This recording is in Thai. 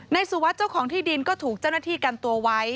สุวัสดิ์เจ้าของที่ดินก็ถูกเจ้าหน้าที่กันตัวไว้